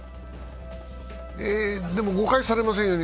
でも誤解されませんように。